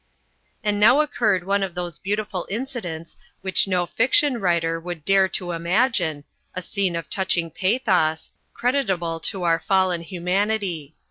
And now occurred one of those beautiful incidents which no fiction writer would dare to imagine, a scene of touching pathos, creditable to our fallen humanity.